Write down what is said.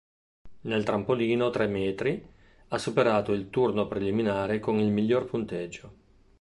Nel trampolino tre metri ha superato il turno preliminare con il miglior punteggio.